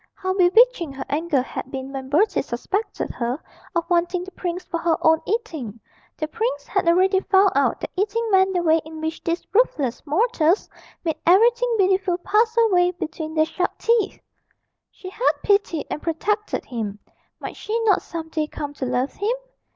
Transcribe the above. How bewitching her anger had been when Bertie suspected her of wanting the prince for her own eating. (The prince had already found out that eating meant the way in which these ruthless mortals made everything beautiful pass away between their sharp teeth.) She had pitied and protected him; might she not some day come to love him?